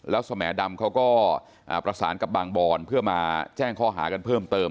แล้วสมดำเขาก็ประสานกับบางบอนเพื่อมาแจ้งข้อหากันเพิ่มเติม